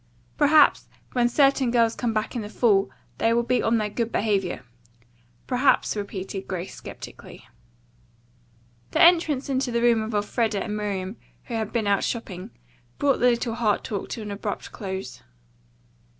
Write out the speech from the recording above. "Perhaps, when certain girls come back in the fall they will be on their good behavior." "Perhaps," repeated Grace sceptically. The entrance into the room of Elfreda and Miriam, who had been out shopping, brought the little heart talk to an abrupt close.